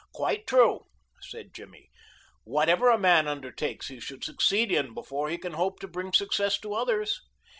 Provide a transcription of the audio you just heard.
"Quite true," said Jimmy. "Whatever a man undertakes he should succeed in before he can hope to bring success to others."